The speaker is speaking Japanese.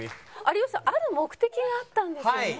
有吉さんある目的があったんですよね？